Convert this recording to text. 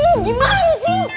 ih gimana sih